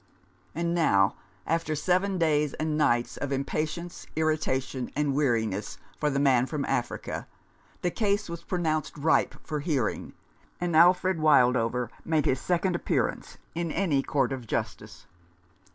And now, after seven days and nights of im patience, irritation, and weariness, for the man from Africa, the case was pronounced ripe for hearing, and Alfred Wildover made his second appearance in any court of justice.